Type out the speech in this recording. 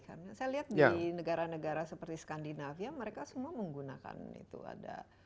karena saya lihat di negara negara seperti skandinavia mereka semua menggunakan itu ada